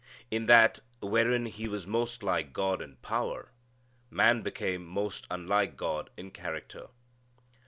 In that wherein he was most like God in power, man became most unlike God in character.